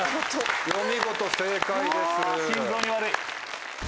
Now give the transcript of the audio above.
お見事正解です。